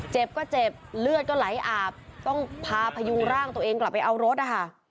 เจ็บก็เจ็บเลือดก็ไหลอาบต้องพาพยุงร่างตัวเองกลับไปเอารถนะคะ